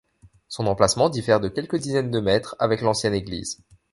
Son emplacement diffère de quelques dizaines de mètres avec l'ancienne église.